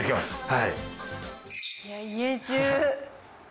はい。